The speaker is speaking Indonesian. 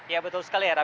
ya betul sekali hera